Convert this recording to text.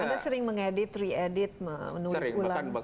anda sering mengedit reedit menulis ulang